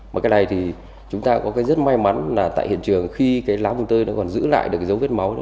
mà cái này thì chúng ta có cái rất may mắn là tại hiện trường khi cái lá mùng tơi nó còn giữ lại được cái dấu vết máu đó là do